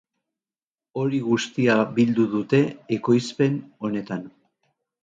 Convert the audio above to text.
Hori guztia bildu dute ekoizpen honetan.